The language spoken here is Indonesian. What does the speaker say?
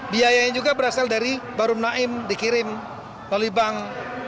biaya yang juga berasal dari bahru naim dikirim melalui bank